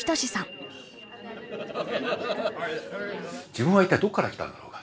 自分は一体どっから来たんだろうか？